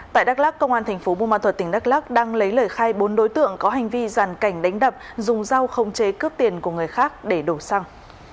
tại đắk lắc công an thành phố bùa ma thuật tỉnh đắk lắc đang lấy lời khai bốn đối tượng có hành vi giàn cảnh đánh đập dùng dao không chế cướp tiền của người khác để đổ xăng